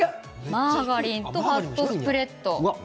マーガリンとファットスプレッド